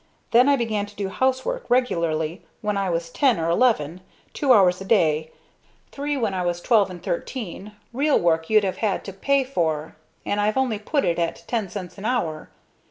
Then I began to do housework regularly when I was ten or eleven, two hours a day; three when I was twelve and thirteen real work you'd have had to pay for, and I've only put it at ten cents an hour.